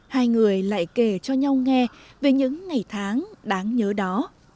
hai người lại kể cho nhau nghe về những ngày tháng đáng nhớ đó